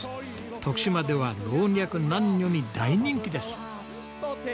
徳島では老若男女に大人気です。